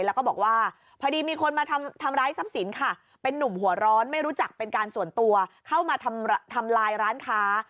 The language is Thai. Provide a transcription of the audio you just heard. แล้วก็บอกว่าพอดีมีคนมาทำร้ายทรัพย์สินค่ะเป็นนุ่มหัวร้อนไม่รู้จักเป็นการส่วนตัวเข้ามาทำลายร้านค้า